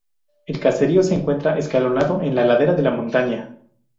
El caserío se encuentra escalonado en la ladera de la montaña.